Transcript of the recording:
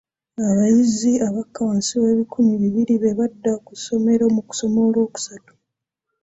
Abayizi abakka wansi w'ebikumi bibiri be badda ku ssomero mu kusoma olwokusatu.